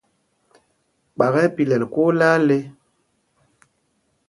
Kpak ɛ́ ɛ́ pilɛ kwóó laa le.